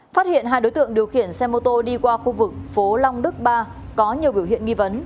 phát hiện hai đối tượng điều khiển xe mô tô đi qua khu vực phố long đức ba có nhiều biểu hiện nghi vấn